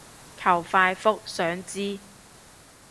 求快覆，想知